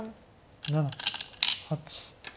７８。